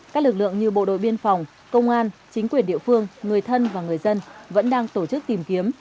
các lực lượng như bộ đội biên phòng công an chính quyền địa phương người thân và người dân vẫn đang tổ chức tìm kiếm